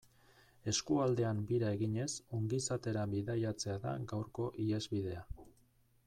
Eskualdean bira eginez ongizatera bidaiatzea da gaurko ihesbidea.